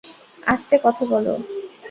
আসতে কথা বল।